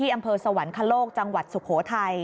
อำเภอสวรรคโลกจังหวัดสุโขทัย